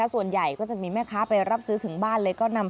ส่วนใหญ่ก็จะมีแม่ค้าไปรับซื้อถึงบ้านเลยก็นำ